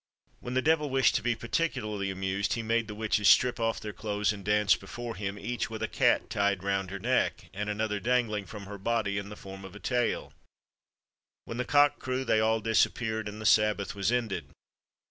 When the devil wished to be particularly amused, he made the witches strip off their clothes and dance before him, each with a cat tied round her neck, and another dangling from her body in form of a tail. When the cock crew, they all disappeared, and the sabbath was ended.